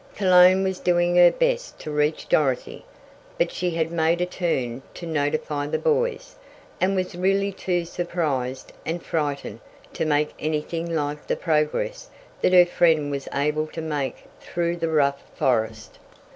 Cologne was doing her best to reach Dorothy, but she had made a turn to notify the boys, and was really too surprised, and frightened, to make anything like the progress that her friend was able to make through the rough forest.